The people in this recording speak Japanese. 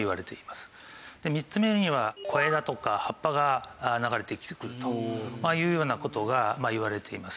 ３つ目には小枝とか葉っぱが流れてくるというような事がいわれています。